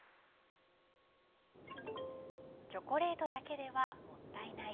チョコレートだけではもったいない。